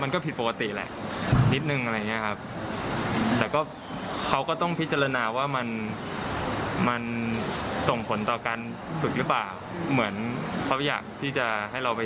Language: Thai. ก็ถือว่าเป็นการทำหน้าที่ของที่ไหน